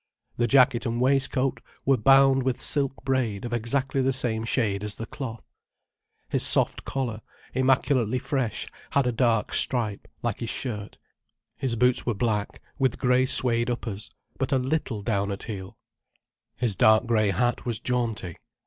The jacket and waistcoat were bound with silk braid of exactly the same shade as the cloth. His soft collar, immaculately fresh, had a dark stripe like his shirt. His boots were black, with grey suède uppers: but a little down at heel. His dark grey hat was jaunty.